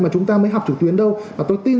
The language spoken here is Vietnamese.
mà chúng ta mới học trực tuyến đâu và tôi tin